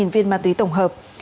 ba mươi viên ma túy tổng hợp